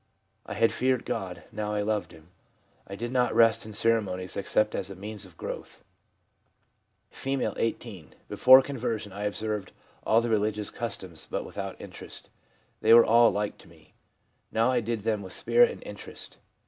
I had feared God, now I loved Him. I did not rest in ceremonies, except as a means of growth.' F., 18. ' Before conversion I observed all the religious customs, but without interest ; they were all alike to me. Now I did them with spirit and interest.